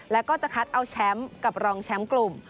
แล้วก็จะคัดเอาแชมป์กับรองแชมป์กลุ่ม